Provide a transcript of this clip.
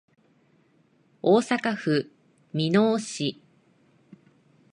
大阪府箕面市